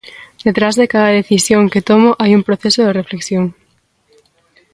Detrás de cada decisión que tomo hai un proceso de reflexión.